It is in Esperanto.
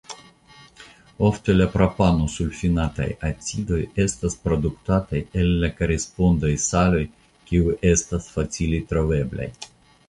Ofte la propanosulfinataj acidoj estas produktataj el la korespondaj saloj kiuj estas facile troveblaj.